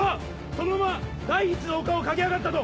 そのまま第一の丘を駆け上がったと。